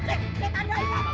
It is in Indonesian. bos kepala doang bos